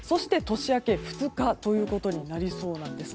年明け２日ということになりそうなんです。